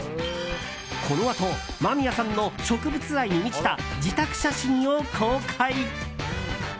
このあと間宮さんの植物愛に満ちた自宅写真を公開。